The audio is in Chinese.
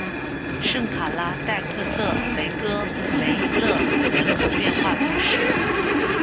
圣卡拉代克特雷戈梅勒人口变化图示